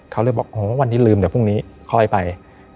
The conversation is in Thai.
เขาเลยบอกโหวันนี้ลืมเดี๋ยวพรุ่งนี้ค่อยไป